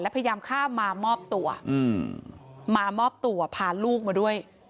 และพยายามข้ามมามอบตัวอืมมามอบตัวพาลูกมาด้วย